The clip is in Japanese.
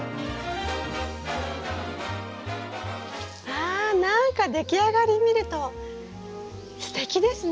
わ何か出来上がり見るとすてきですね。